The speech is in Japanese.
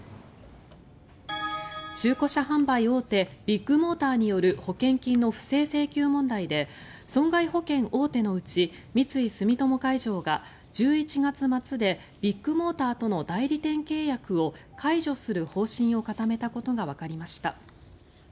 中古車販売大手ビッグモーターによる保険金の不正請求問題で損害保険大手のうち三井住友海上が１１月末でビッグモーターとの代理店契約を解除する方針を固めたことがわかりました。